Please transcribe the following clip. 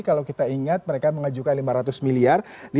kalau kita ingat mereka mengajukan lima ratus miliar